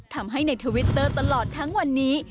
ทำให้ในทวิตเตอร์ตลอดทั้งวันนี้